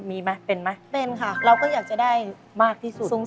มีไหมเป็นไหมเป็นค่ะเราก็อยากจะได้มากที่สุด